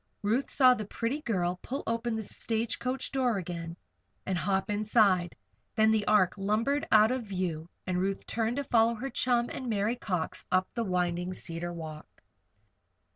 Ruth saw the pretty girl pull open the stage coach door again, and hop inside. Then the Ark lumbered out of view, and Ruth turned to follow her chum and Mary Cox up the winding Cedar Walk.